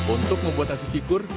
untuk membuat nasi cikur